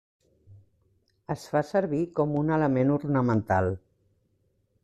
Es fa servir com un element ornamental.